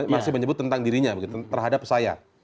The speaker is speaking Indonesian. masih menyebut tentang dirinya begitu terhadap saya